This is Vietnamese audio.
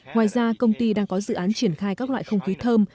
ngoài ra công ty đang có dự án triển khai các loại không khí thơm